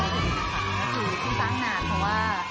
คือขึ้นตั้งนานเพราะว่า